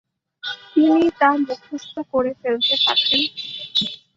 তিনি তা মুখস্থ করে ফেলতে পারতেন।